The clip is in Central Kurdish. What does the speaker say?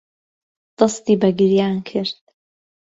دەستی بە گریان کرد.